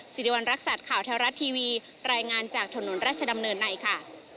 สิริวัณรักษัตริย์ข่าวแท้รัฐทีวีรายงานจากถนนราชดำเนินในค่ะ